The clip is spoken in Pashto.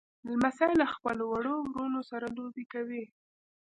لمسی له خپلو وړو وروڼو سره لوبې کوي.